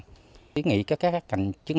chúng tôi nghĩ các cạnh chức